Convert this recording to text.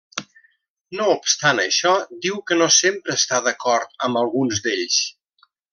No obstant això, diu que no sempre està d’acord amb alguns d’ells.